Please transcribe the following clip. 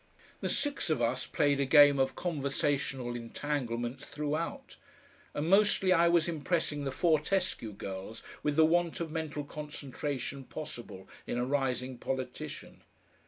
The six of us played a game of conversational entanglements throughout, and mostly I was impressing the Fortescue girls with the want of mental concentration possible in a rising politician.